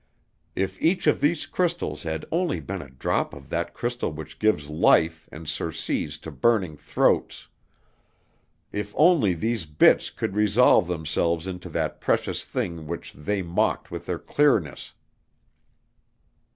If each of these crystals had only been a drop of that crystal which gives life and surcease to burning throats, if only these bits could resolve themselves into that precious thing which they mocked with their clearness!